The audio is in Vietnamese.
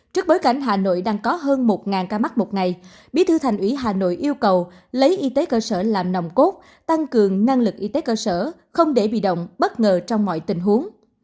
trước bối cảnh hà nội đang có hơn một ca mắc một ngày bí thư thành ủy hà nội yêu cầu lấy y tế cơ sở làm nồng cốt tăng cường năng lực y tế cơ sở không để bị động bất ngờ trong mọi tình huống